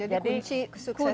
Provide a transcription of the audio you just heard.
jadi kunci sukses itu tekun